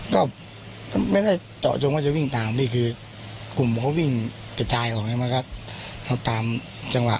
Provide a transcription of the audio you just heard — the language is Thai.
เขาได้มีการพูดอะไรบ้าง